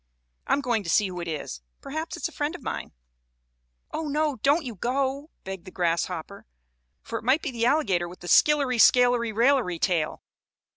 I'm going to see who it is. Perhaps it is a friend of mine." "Oh, no! Don't you go!" begged the grasshopper. "For it may be the alligator with the skillery scalery railery tail."